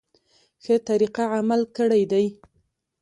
ښه طریقه عمل کړی دی.